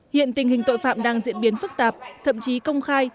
hiện tình hình tội phạm đang diễn biến phức tạp thậm chí công khai